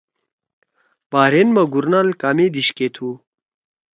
بحرین ما گُورنال کامے دیِش کے تُھو؟